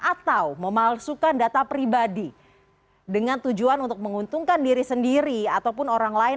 atau memalsukan data pribadi dengan tujuan untuk menguntungkan diri sendiri ataupun orang lain